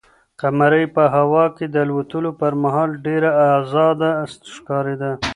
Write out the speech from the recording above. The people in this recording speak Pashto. قمرۍ په هوا کې د الوتلو پر مهال ډېره ازاده ښکارېده.